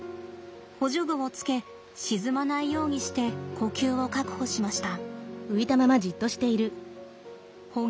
補助具をつけ沈まないようにして呼吸を確保しました。